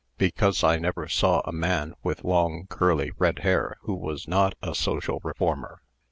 "Because I never saw a man with long, curly, red hair, who was not a social reformer.